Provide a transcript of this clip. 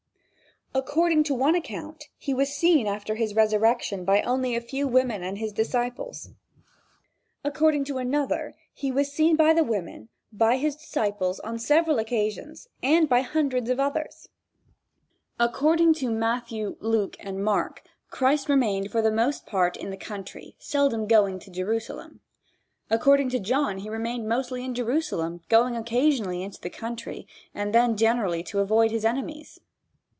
According to one account, he was seen after his resurrection only by a few women and his disciples. According to another he was seen by the women, by his disciples on several occasions and by hundreds of others. According to Matthew, Luke and Mark, Christ remained for the most part in the country, seldom going to Jerusalem. According to John he remained mostly in Jerusalem, going occasionally into the country, and then generally to avoid his enemies.